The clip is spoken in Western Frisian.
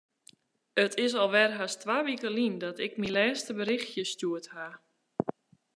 It is alwer hast twa wike lyn dat ik myn lêste berjochtsje stjoerd haw.